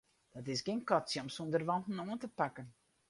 Dat is gjin katsje om sûnder wanten oan te pakken.